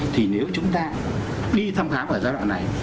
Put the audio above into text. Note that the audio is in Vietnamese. thì nếu chúng ta đi thăm khám ở giai đoạn này